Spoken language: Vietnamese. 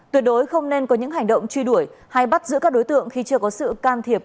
tuyệt đối không nên có những hành động truy đuổi hay bắt giữ các đối tượng khi chưa có sự can thiệp